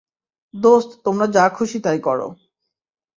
দোস্ত তোমরা যা খুশি তাই কর।